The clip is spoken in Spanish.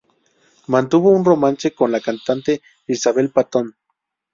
Mantuvo un romance con la cantante Isabel Patton.